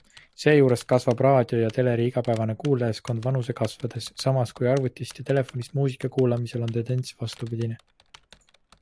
Seejuures kasvab raadio ja teleri igapäevane kuulajaskond vanuse kasvades, samas kui arvutist ja telefonist muusika kuulamisel on tendents vastupidine.